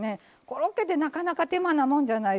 コロッケってなかなか手間なもんじゃないですか。